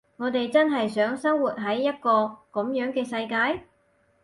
我哋真係想生活喺一個噉樣嘅世界？